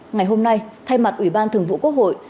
ngày hôm nay thay mặt ủy ban thường vụ quốc hội